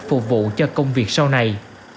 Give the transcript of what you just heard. phục vụ cho công việc sau này